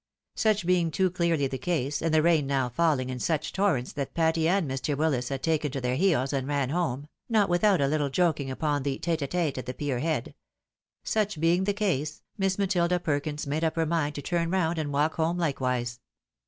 Such being too clearly the case, and the rain now falling in such torrents that Patty and Mr. Willis had taken to their heels and ran home (not without a Kttle joking upon the tete a tete at the pier head) — such being the case. Miss Matilda Perkins made up her mind to turn round and walk home like wise.